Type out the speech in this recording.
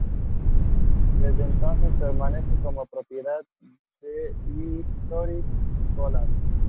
Desde entonces permanece como propiedad de Historic Scotland.